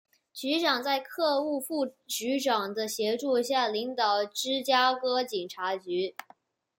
局长在常务副局长的协助下领导芝加哥警察局。